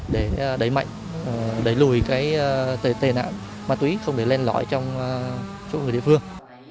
để đẩy mạnh đẩy lùi cái tên ảm ma túy không để lên lõi trong chỗ người địa phương